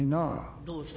どうした？